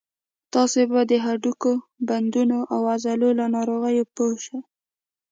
تاسې به د هډوکو، بندونو او عضلو له ناروغیو پوه شئ.